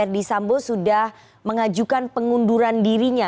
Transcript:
verdi sambo sudah mengajukan pengunduran dirinya